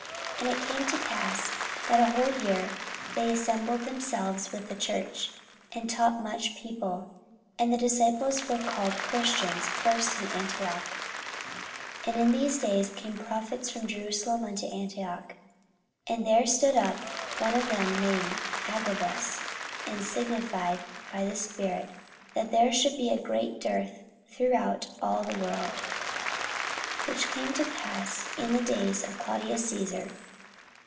And it came to pass, that a whole year they assembled themselves with the church, and taught much people. And the disciples were called Christians first in Antioch. 44:011:027 And in these days came prophets from Jerusalem unto Antioch. 44:011:028 And there stood up one of them named Agabus, and signified by the Spirit that there should be great dearth throughout all the world: which came to pass in the days of Claudius Caesar.